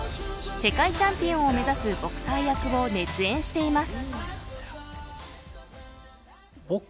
世界チャンピオンを目指すボクサー役を熱演しています。